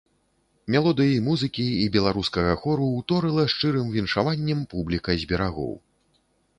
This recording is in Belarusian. Мелодыі музыкі і беларускага хору ўторыла шчырым віншаваннем публіка з берагоў.